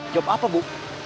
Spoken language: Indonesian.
job apa bu